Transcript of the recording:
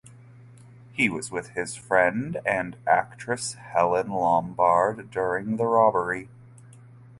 He was with his friend and actress Helene Lombard during the robbery.